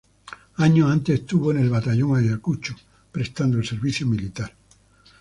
Años antes estuvo en el Batallón Ayacucho prestando el servicio militar.